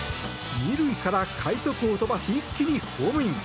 ２塁から快足を飛ばし一気にホームイン。